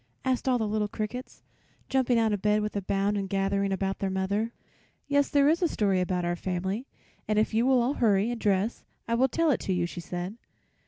asked all the little crickets, jumping out of bed with a bound and gathering about their mother. "Yes, there is a story about our family, and if you will all hurry and dress I will tell it to you," she said.